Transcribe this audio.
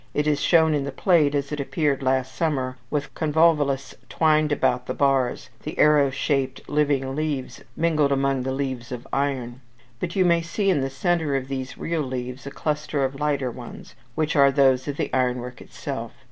It is shown in the plate as it appeared last summer, with convolvulus twined about the bars, the arrow shaped living leaves mingled among the leaves of iron; but you may see in the centre of these real leaves a cluster of lighter ones, which are those of the ironwork itself.